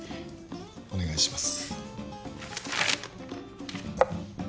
お願いします